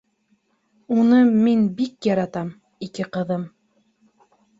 Уны мин бик яратам, ике ҡыҙым...